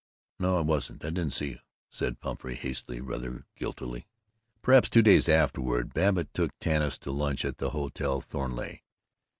"No, I wasn't I didn't see you," said Pumphrey, hastily, rather guiltily. Perhaps two days afterward Babbitt took Tanis to lunch at the Hotel Thornleigh.